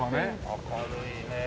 明るいね。